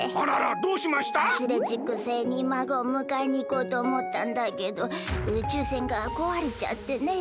アスレチック星にまごをむかえにいこうとおもったんだけど宇宙船がこわれちゃってねえ。